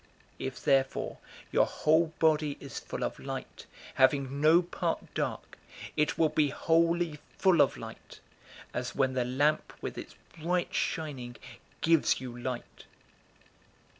011:036 If therefore your whole body is full of light, having no part dark, it will be wholly full of light, as when the lamp with its bright shining gives you light."